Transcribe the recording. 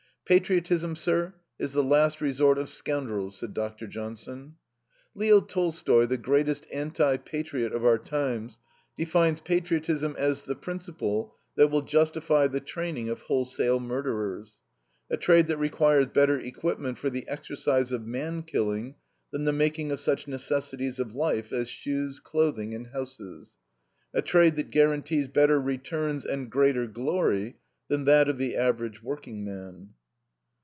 "Patriotism, sir, is the last resort of scoundrels," said Dr. Johnson. Leo Tolstoy, the greatest anti patriot of our times, defines patriotism as the principle that will justify the training of wholesale murderers; a trade that requires better equipment for the exercise of man killing than the making of such necessities of life as shoes, clothing, and houses; a trade that guarantees better returns and greater glory than that of the average workingman.